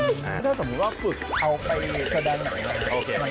อืมถ้าสมมุติว่าฝึกเอาไปแสดงหน่อยนะ